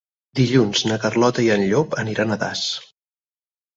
Dilluns na Carlota i en Llop aniran a Das.